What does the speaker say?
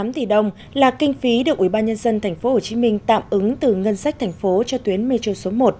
hai một trăm năm mươi tám tỷ đồng là kinh phí được ubnd tp hcm tạm ứng từ ngân sách thành phố cho tuyến metro số một